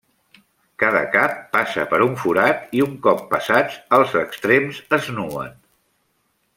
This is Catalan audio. Cada cap passa per un forat i, un cop passats, els extrems es nuen.